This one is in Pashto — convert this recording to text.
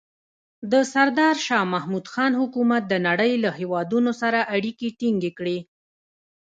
د سردار شاه محمود خان حکومت د نړۍ له هېوادونو سره اړیکې ټینګې کړې.